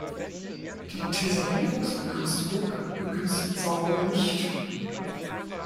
Die Thesaurierungsbegünstigung begünstigt Saurier nicht.